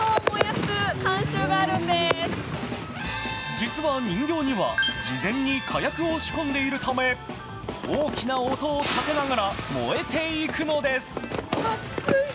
実は人形には事前に火薬を仕込んでいるため大きな音を立てながら燃えていくのです。